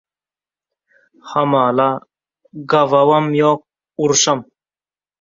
Hamala gabawam ýok, urşam ýok.